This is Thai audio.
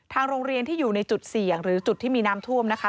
โรงเรียนที่อยู่ในจุดเสี่ยงหรือจุดที่มีน้ำท่วมนะคะ